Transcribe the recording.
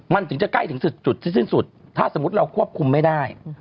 มันถึงจะใกล้ถึงจุดที่สิ้นสุดถ้าสมมุติเราควบคุมไม่ได้